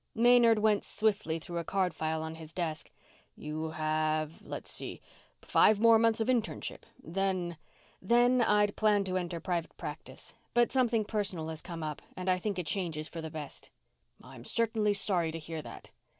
Maynard went swiftly through a card file on his desk. "You have let's see five more months of internship. Then " "Then I'd planned to enter private practice. But something personal has come up and I think a change is for the best." "I'm certainly sorry to hear that."